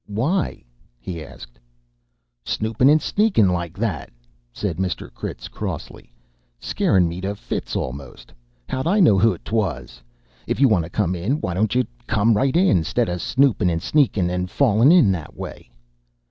"Why?" he asked. "Snoopin' an' sneakin' like that!" said Mr. Critz crossly. "Scarin' me to fits, a'most. How'd I know who 'twas? If you want to come in, why don't you come right in, 'stead of snoopin' an' sneakin' an' fallin' in that way?"